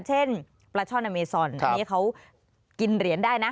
เช่นปลาช่อนอเมซอนอันนี้เขากินเหรียญได้นะ